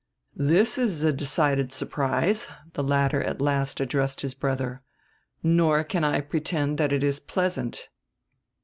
"This is a decided surprise," the latter at last addressed his brother; "nor can I pretend that it is pleasant."